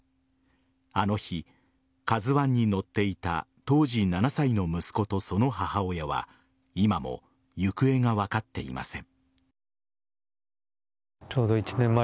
あの日「ＫＡＺＵ１」に乗っていた当時７歳の息子とその母親は今も行方が分かっていません。